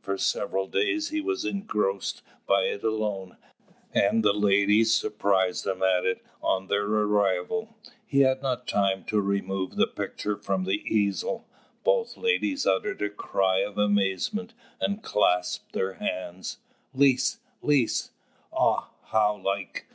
For several days he was engrossed by it alone, and the ladies surprised him at it on their arrival. He had not time to remove the picture from the easel. Both ladies uttered a cry of amazement, and clasped their hands. "Lise, Lise! Ah, how like!